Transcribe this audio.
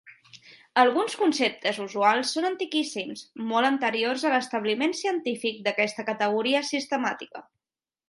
Alguns conceptes usuals són antiquíssims, molt anteriors a l'establiment científic d'aquesta categoria sistemàtica.